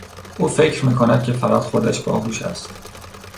او فکر می کند که فقط خودش باهوش است.